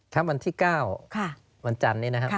ถ้าวันที่๙วันจันทร์นี้นะครับ